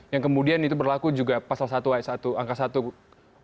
yang kemudian itu berlaku juga pasal satu a satu angka satu undang undang kpk yang mengenai